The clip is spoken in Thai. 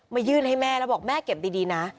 ยื่นให้แม่แล้วบอกแม่เก็บดีนะ